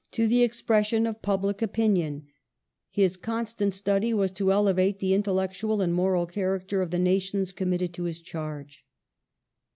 1856] LORD AUCKLAND 267 the expression of public opinion ; his constant study was to elevate the intellectual and moral character of the nations committed to his charge."